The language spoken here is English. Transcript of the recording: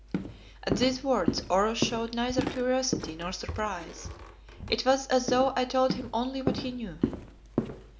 At these words Oros showed neither curiosity nor surprise; it was as though I told him only what he knew.